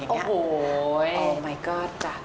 โอ้โฮโอ้มายก็อดจัด